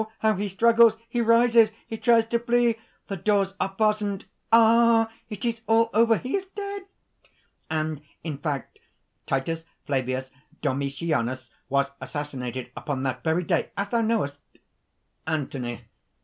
how he struggles ... He rises ... He tries to flee ... The doors are fastened ... Ah! it is all over! He is dead!' And in fact Titus Flavius Domitianus was assassinated upon that very day, as thou knowest." ANTHONY.